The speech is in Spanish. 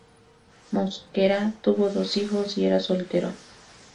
Mosquera tuvo dos hijos y era soltero.